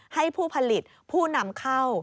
ให้ผู้ผลิตผู้นำเข้า